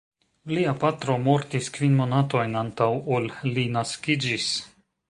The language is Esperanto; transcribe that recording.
Lia patro mortis kvin monatojn antaŭ ol li naskiĝis.